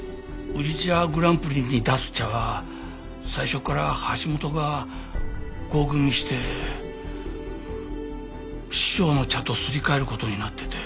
宇治茶グランプリに出す茶は最初から橋本が合組して師匠の茶とすり替える事になってて。